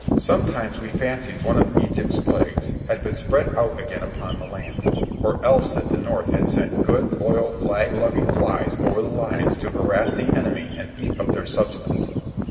Sometimes we fancied one of Egypt's plagues had been spread out again upon the land; or else that the North had sent good, loyal, flag loving flies over the lines to harass the enemy and eat up his substance.